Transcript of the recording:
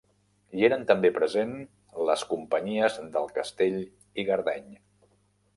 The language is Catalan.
Hi eren també present les companyies del Castell i Gardeny.